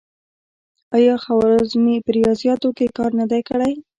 آیا الخوارزمي په ریاضیاتو کې کار نه دی کړی؟